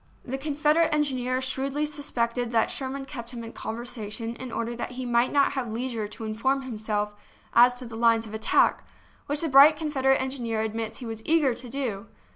The Confederate engineer shrewdly suspected that Sherman kept him in con versation in order that he might not have leisure to inform himself as to the lines of attack, which the bright Confederate engineer admits he was eager to do!